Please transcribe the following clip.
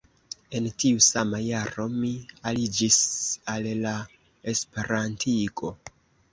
En tiu sama jaro, mi aliĝis al la esperantigo.